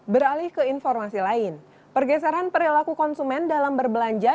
beralih ke informasi lain pergeseran perilaku konsumen dalam berbelanja